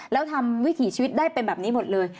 แล้วทำวิถีชีวิตได้เป็นแบบนี้หมดเลย